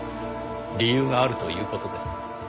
理由があるという事です。